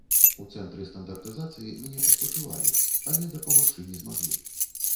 У цэнтры стандартызацыі мне паспачувалі, але дапамагчы не змаглі.